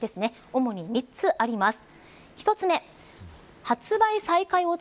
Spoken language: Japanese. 主に３つあります。